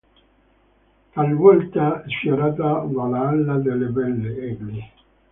Talvolta sfiorata dall'ala delle vele, egli.